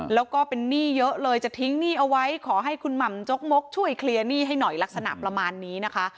แล้วก็เป็นหนี้เยอะเลยจะทิ้งหนี้เอาไว้ขอให้คุณหม่ำจกมกช่วยเคลียร์หนี้ให้หน่อยลักษณะประมาณนี้นะคะ